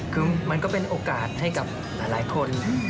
คือมันก็เป็นโอกาสให้กับหลายคน